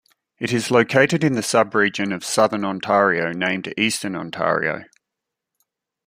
It is located in the subregion of Southern Ontario named Eastern Ontario.